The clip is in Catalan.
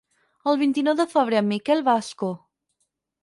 El vint-i-nou de febrer en Miquel va a Ascó.